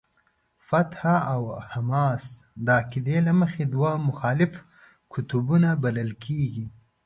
فتح او حماس د عقیدې له مخې دوه مخالف قطبونه بلل کېږي.